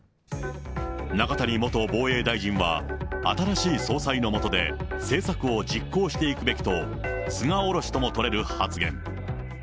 中谷元防衛大臣は、新しい総裁の下で政策を実行していくべきと、菅おろしとも取れる発言。